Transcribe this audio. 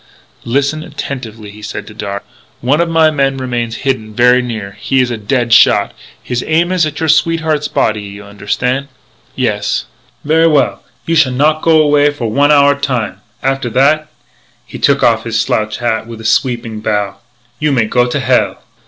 "Listen attentively," he said to Darragh. "One of my men remains hidden very near. He is a dead shot. His aim is at your sweetheart's body. You understan'?" "Yes." "Ver' well. You shall not go away for one hour time. After that " he took off his slouch hat with a sweeping bow "you may go to hell!"